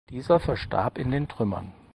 Dieser verstarb in den Trümmern.